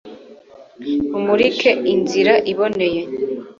mumurike inzira iboneye